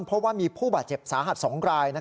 เพราะว่ามีผู้บาดเจ็บสาหัส๒ราย